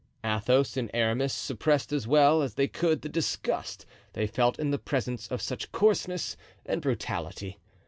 Athos and Aramis suppressed as well as they could the disgust they felt in the presence of such coarseness and brutality.